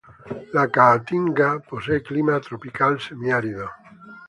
La caatinga posee clima Tropical semiárido.